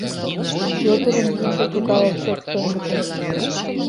Вӧдырын йӱкшӧ тугаяк чот пеҥгыде.